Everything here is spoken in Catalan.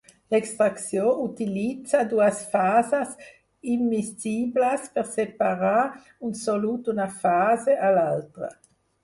L'extracció utilitza dues fases immiscibles per separar un solut d'una fase a l'altra.